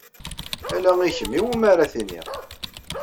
Ala i kemm iwimi ara t-iniɣ.